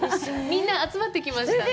みんな集まってきましたね。